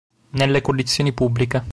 Nelle collezioni pubbliche.